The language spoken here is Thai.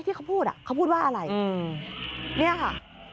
ที่เขาพูดอ่ะเขาพูดว่าอะไรเนี่ยค่ะ